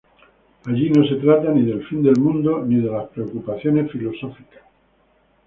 Allí no se trata ni del fin del mundo, ni de preocupaciones filosóficas.